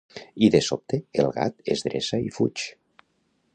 I de sobte el gat es dreça i fuig.